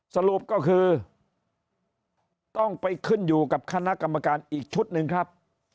สรุปก็คือต้องไปขึ้นอยู่กับคณะกรรมการอีกชุดหนึ่งครับ